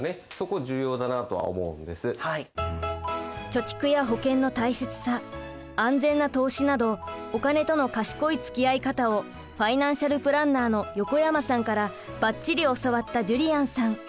貯蓄や保険の大切さ安全な投資などお金との賢いつきあい方をファイナンシャル・プランナーの横山さんからばっちり教わったジュリアンさん。